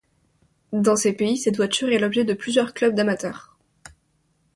Dans ces pays, cette voiture est l'objet de plusieurs clubs d'amateurs.